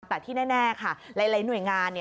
แต่ที่แน่ค่ะหลายหน่วยงาน